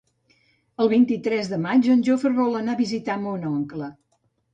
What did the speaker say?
El vint-i-tres de maig en Jofre vol anar a visitar mon oncle.